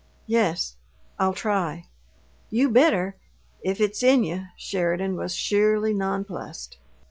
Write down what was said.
"Yes I'll try." "You better, if it's in you!" Sheridan was sheerly nonplussed.